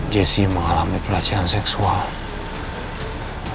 jesse mengalami pelacian seksual